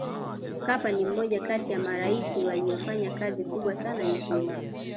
mkapa ni mmoja kati ya maraisi waliyofanya kazi kubwa sana nchini